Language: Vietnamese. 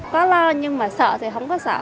có lo nhưng mà sợ thì không có sợ